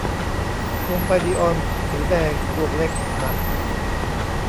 โคมไฟนีออนสีแดงดวงเล็กดับ